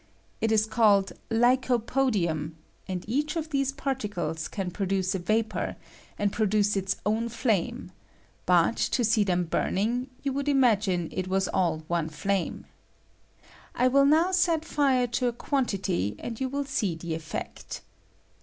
It is called lycopodium,C) and each of these particles can produce a vapor, and produce its own flame; but, to see them burning, you would imagine it was aU one flame. 1 will now set fire to a quantity, and you will see the effect.